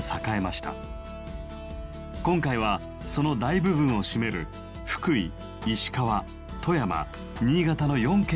今回はその大部分を占める福井石川富山新潟の４県を走ります。